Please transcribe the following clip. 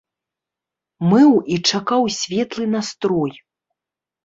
Мыў і чакаў светлы настрой.